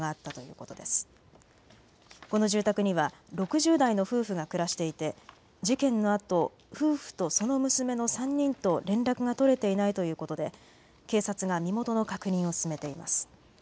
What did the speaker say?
この住宅には６０代の夫婦が暮らしていて事件のあと、夫婦とその娘の３人と連絡が取れていないということで警察が身元の確認を進めています。